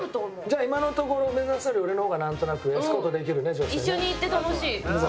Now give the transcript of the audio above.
じゃあ今のところ梅沢さんより俺の方がなんとなくエスコートできるね。